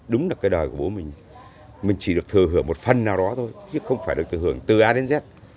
đúng là cái đời của bố mình chỉ được thừa hưởng một phần nào đó thôi chứ không phải được hưởng từ a đến z